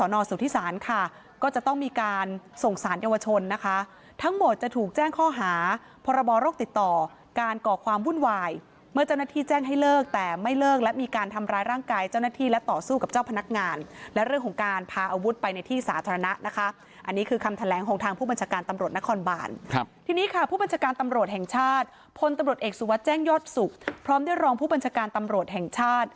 ในการส่งสารเยาวชนนะคะทั้งหมดจะถูกแจ้งข้อหาพรบรโรคติดต่อการก่อความวุ่นวายเมื่อเจ้าหน้าที่แจ้งให้เลิกแต่ไม่เลิกและมีการทำร้ายร่างกายเจ้าหน้าที่และต่อสู้กับเจ้าพนักงานและเรื่องของการพาอาวุธไปในที่สาธารณะนะคะอันนี้คือคำแถลงของทางผู้บัญชาการตำรวจนครบานที่นี่ค่ะผู้บัญชาการตำรวจแห่ง